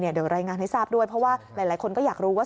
เดี๋ยวรายงานให้ทราบด้วยเพราะว่าหลายคนก็อยากรู้ว่า